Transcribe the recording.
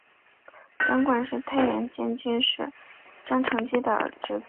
张瓘是太原监军使张承业的侄子。